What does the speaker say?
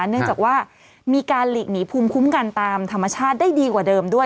เนื่องจากว่ามีการหลีกหนีภูมิคุ้มกันตามธรรมชาติได้ดีกว่าเดิมด้วย